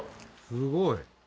すごい！